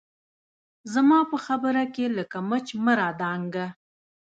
زما په خبره کښې لکه مچ مه رادانګه